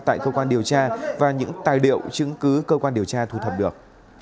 tại cơ quan điều tra và những tài liệu chứng cứ cơ quan điều tra thu thập được